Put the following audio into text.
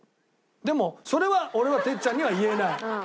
でもそれは俺はてっちゃんには言えない。